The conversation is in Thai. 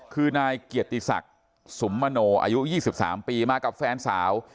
คือนายเกียรติศักดิ์สุมมโนอายุ๒๓ปีมากับแฟนสาว